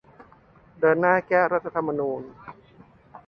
เดินหน้าแก้รัฐธรรมนูญ